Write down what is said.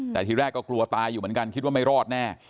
แต่ทีแรกก็กลัวตายอยู่เหมือนกันคิดว่าไม่รอดแน่